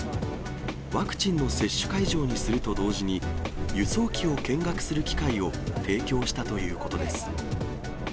ワクチンの接種会場にすると同時に、輸送機を見学する機会を提供したということです。